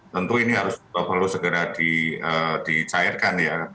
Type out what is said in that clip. tentu ini harus perlu segera dicairkan ya